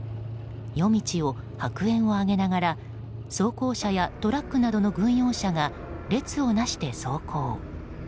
夜道を白煙を上げながら装甲車やトラックなどの軍用車が列をなして走行。